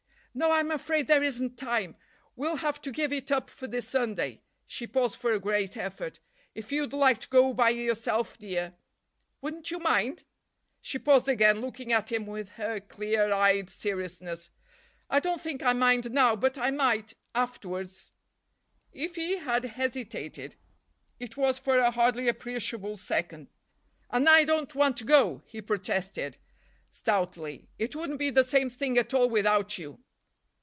"No, I'm afraid there isn't time. We'll have to give it up for this Sunday." She paused for a great effort. "If you'd like to go by yourself, dear—" "Wouldn't you mind?" She paused again, looking at him with her clear eyed seriousness. "I don't think I mind now, but I might—afterwards." If he had hesitated, it was for a hardly appreciable second. "And I don't want to go," he protested stoutly, "it wouldn't be the same thing at all without you."